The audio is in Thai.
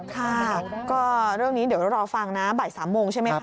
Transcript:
ค่ะก็เรื่องนี้เดี๋ยวรอฟังนะบ่าย๓โมงใช่ไหมคะ